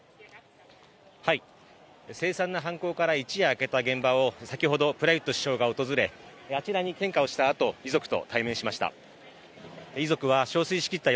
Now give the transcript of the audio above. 凄惨な犯行から一夜明けた現場を先ほどプラユット首相が訪れ、あちらに献花したあと、遺族と対面しました。